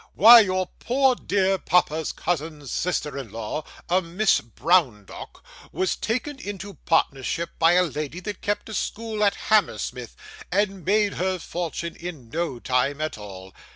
Why, your poor dear papa's cousin's sister in law a Miss Browndock was taken into partnership by a lady that kept a school at Hammersmith, and made her fortune in no time at all.